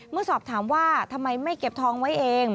เมื่อสอบถามว่าทำไมไม่เก็บทองไว้เอง